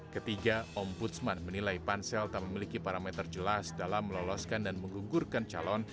ketiga ombudsman menilai pansel tak memiliki parameter jelas dalam meloloskan dan menggugurkan calon